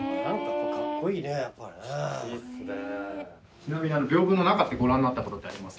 ちなみに屏風の中ってご覧になったことってあります？